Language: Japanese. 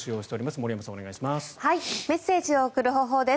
森山さん、お願いします。